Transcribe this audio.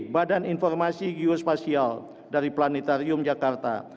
badan informasi geospasial dari planetarium jakarta